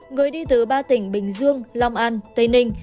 người đi từ ba tỉnh bình dương long an tây ninh